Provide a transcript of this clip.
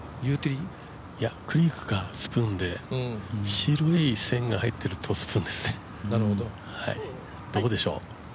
クリークかスプーンで白い線が入ってるとスプーンですね、どうでしょう。